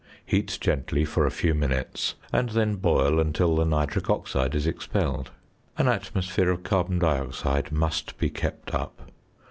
Heat gently for a few minutes, and then boil until the nitric oxide is expelled. An atmosphere of carbon dioxide must be kept up.